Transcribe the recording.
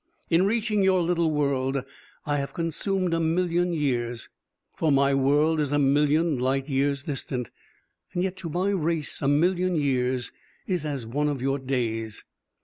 In reaching your little world, I have consumed a million years, for my world is a million light years distant: yet to my race a million years is as one of your days.